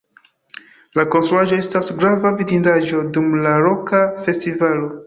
La konstruaĵo estas grava vidindaĵo dum la loka festivalo.